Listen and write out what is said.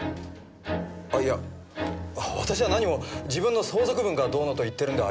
あっいや私は何も自分の相続分がどうのと言っているんではありません。